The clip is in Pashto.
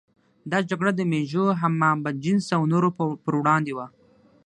دا جګړه د مېږو، حمام بدجنسه او نورو پر وړاندې وه.